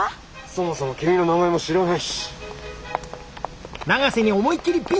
そもそも君の名前も知らないし。